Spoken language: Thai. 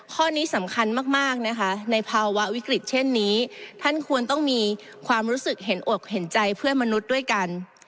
ข้อนี้สำคัญมากนะคะในภาวะวิกฤตเช่นนี้ท่านควรต้องมีความรู้สึกเห็นอกเห็นใจเพื่อนมนุษย์ด้วยกัน